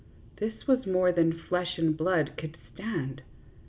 This was more than flesh and blood could stand.